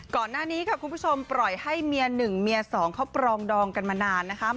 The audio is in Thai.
ก่อนหน้านี้ค่ะคุณผู้ชมปล่อยให้เมียหนึ่งเมียสองเขาปรองดองกันมานานนะคะ